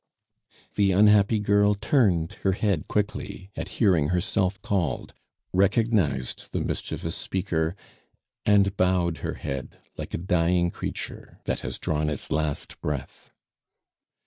The unhappy girl turned her head quickly at hearing herself called, recognized the mischievous speaker, and bowed her head like a dying creature that has drawn its last breath.